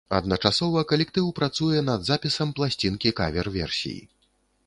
Адначасова калектыў працуе над запісам пласцінкі кавер-версій.